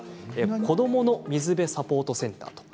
子どもの水辺サポートセンター。